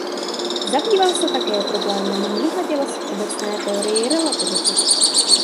Zabýval se také problémem mnoha těles v obecné teorii relativity.